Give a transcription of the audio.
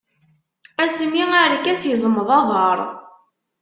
Asmi arkas izmeḍ aḍar.